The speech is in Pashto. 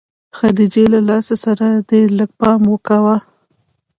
خديجې له لاس سره دې لږ پام کوه.